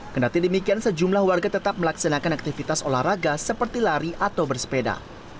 kenati demikian sejumlah warga tetap melaksanakan aktivitas olahraga seperti lari atau bersepeda